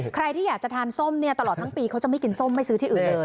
ใครที่อยากจะทานส้มเนี่ยตลอดทั้งปีเขาจะไม่กินส้มไม่ซื้อที่อื่นเลย